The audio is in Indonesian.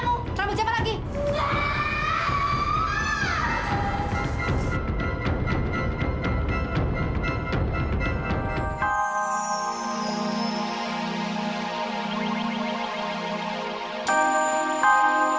rambut kamu rambut siapa lagi